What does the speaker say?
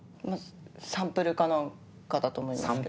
サンプルか何かだと思いますけど。